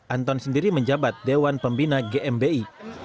anton sendiri menjabat dewan pembina gmbi